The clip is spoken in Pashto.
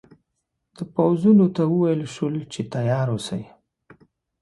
د پوځونو ته وویل شول چې تیار اوسي.